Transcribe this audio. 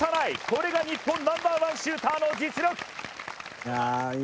これが日本ナンバーワンシューターの実力。